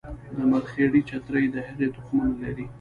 د مرخیړي چترۍ د هغې تخمونه لري